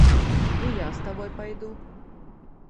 І я з табой пайду.